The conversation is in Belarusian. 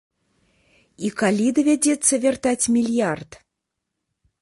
І калі давядзецца вяртаць мільярд?